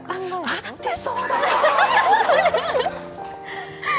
合ってそうだよ！